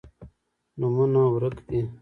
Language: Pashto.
نومونه ورک دي